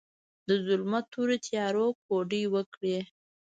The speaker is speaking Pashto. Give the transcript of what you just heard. د ظلمت تورو تیارو، کوډې وکړې